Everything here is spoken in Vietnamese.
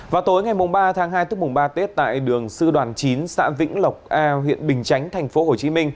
vào tối ngày ba tháng hai tức mùng ba tết tại đường sư đoàn chín xã vĩnh lộc a huyện bình chánh tp hcm